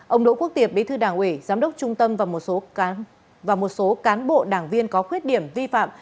ông đỗ quốc tiệp bí thư đảng ủy giám đốc trung tâm và một số cán bộ đảng viên có khuyết điểm vi phạm